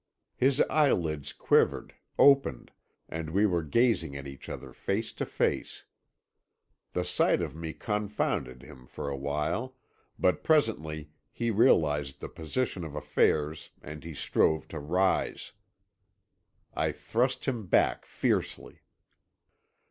His eyelids quivered, opened, and we were gazing at each other face to face. The sight of me confounded him for a while, but presently he realised the position of affairs and he strove to rise. I thrust him back fiercely.